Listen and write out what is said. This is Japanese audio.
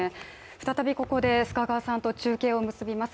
再びここで須賀川さんと中継をつなぎます。